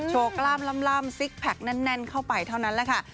กล้ามล่ำซิกแพคแน่นเข้าไปเท่านั้นแหละค่ะ